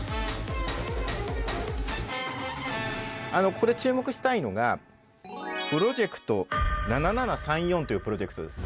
ここで注目したいのがプロジェクト７７３４というプロジェクトです。